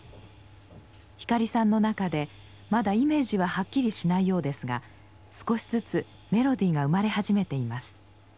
光さんの中でまだイメージははっきりしないようですが少しずつメロディーが生まれ始めています。